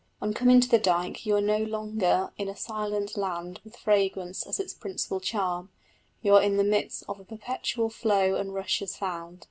On coming to the dyke you are no longer in a silent land with fragrance as its principal charm you are in the midst of a perpetual flow and rush of sound.